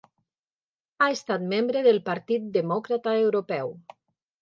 Ha estat membre del Partit Demòcrata Europeu.